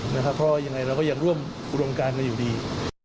เพราะว่าอย่างไรเราก็ยังร่วมกันอยู่ดี